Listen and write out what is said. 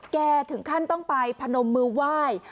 แกถึงขั้นต้องไปพนมมือไหว้